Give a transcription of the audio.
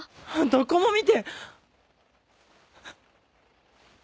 どこも見て。